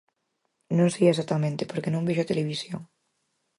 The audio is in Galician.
Non sei exactamente, porque non vexo a televisión.